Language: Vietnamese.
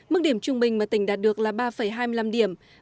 mức điểm trung bình mà tỉnh đạt được là ba hai mươi năm điểm